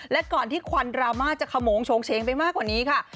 และก่อนที่ควันดราม่าจะขโมงโชงเชงไปมากกว่านี้ค่ะ